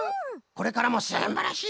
これからもすんばらしい